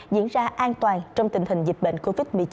diễn ra an toàn trong tình hình dịch bệnh covid một mươi chín